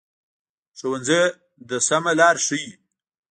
ښوونځی د سمه لار ښيي